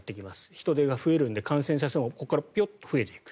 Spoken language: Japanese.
人出が増えるので感染者数もここから増えていく。